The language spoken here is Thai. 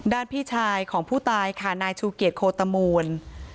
พี่ชายของผู้ตายค่ะนายชูเกียจโคตมูล